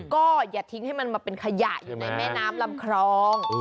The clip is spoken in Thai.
ก็อย่าทิ้งให้มันมาเป็นขยะอยู่ในแม่น้ำลำคลอง